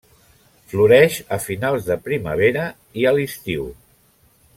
Floreix a finals de primavera i a l'estiu.